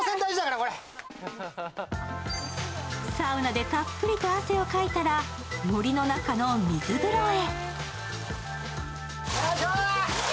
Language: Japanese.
サウナでたっぷり汗をかいたら森の中の水風呂へ。